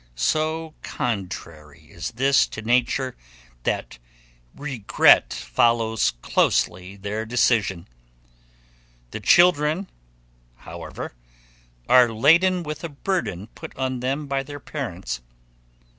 So contrary is this to nature that regret follows closely their decision. The children, however, are laden with a burden put on them by their parents.